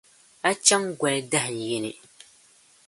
A chaŋ goli dahin yini.